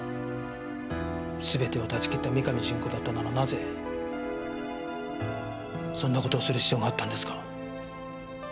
すべてを断ち切った三上潤子だったならなぜそんな事をする必要があったんですか？